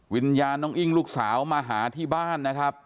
วิญญาณน้องอิ้งลูกสาวมาหาที่บ้านนะครับ